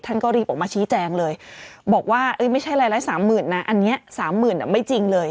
ท่านก็รีบออกมาชี้แจงเลยบอกว่าเอ้ยไม่ใช่รายละ๓หมื่นนะอันเนี้ย๓หมื่นอ่ะไม่จริงเลย